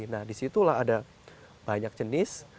nah di situ lah ada banyak jenis